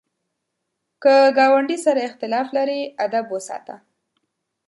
که ګاونډي سره اختلاف لرې، ادب وساته